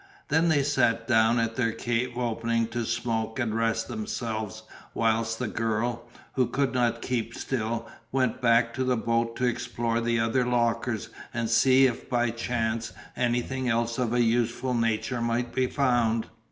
Then they sat down at their cave opening to smoke and rest themselves whilst the girl, who could not keep still, went back to the boat to explore the other lockers and see if by chance anything else of a useful nature might be found.